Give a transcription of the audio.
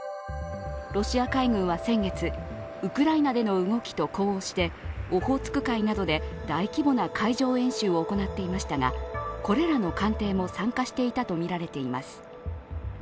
ロシア海軍は先月ウクライナでの動きと呼応してオホーツク海などで大規模な海上演習を行っていましたがこれらの艦艇も参加していたとみられています。